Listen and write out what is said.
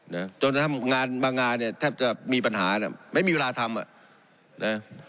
นะจนทำงานบางงานเนี่ยแทบจะมีปัญหาน่ะไม่มีเวลาทำอ่ะนะ